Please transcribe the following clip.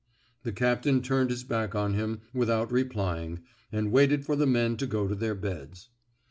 The captain turned his back on him with out replying, and waited for the men to go to their beds.